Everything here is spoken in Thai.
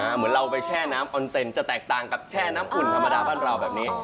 เหมือนเราไปแช่น้ำออนเซ็นจะแตกต่างกับแช่น้ำอุ่นธรรมดาบ้านเราแบบนี้